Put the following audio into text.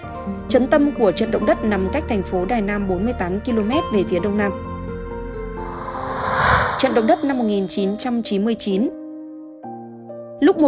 trận tâm của trận động đất nằm cách thành phố đài nam bốn mươi tám km về phía đông nam